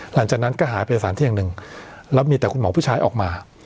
หลังจากนั้นก็หายไปสารเที่ยงหนึ่งแล้วมีแต่คุณหมอผู้ชายออกมา